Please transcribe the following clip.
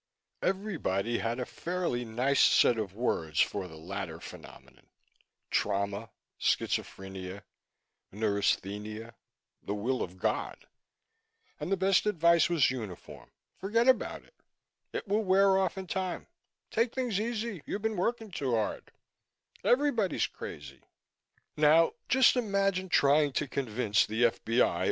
Everybody had a fairly nice set of words for the latter phenomenon trauma, schizophrenia, neurasthenia, the Will of God and the best advice was uniform: forget about it; it will wear off in time; take things easy, you've been working too hard; everybody's crazy. Now just imagine trying to convince the F.B.I.